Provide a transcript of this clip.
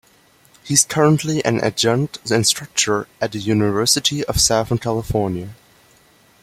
He is currently an adjunct instructor at the University of Southern California.